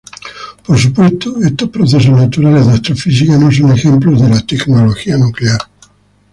Por supuesto, estos procesos naturales de astrofísica no son ejemplos de la "tecnología" nuclear.